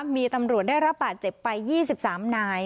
มีตำรวจได้รับบาดเจ็บไป๒๓นาย